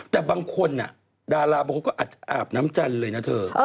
แต่บางคนดาราบรกก็อาบน้ำจันเลยน่ะเถอะ